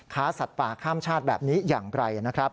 สัตว์ป่าข้ามชาติแบบนี้อย่างไกลนะครับ